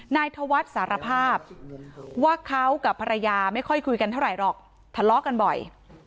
นายธวัฒน์สารภาพว่าเขากับภรรยาไม่ค่อยคุยกันเท่าไหร่หรอกทะเลาะกันบ่อย